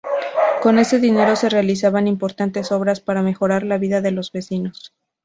Con ese dinero se realizaban importantes obras para mejorar la vida de los vecinos.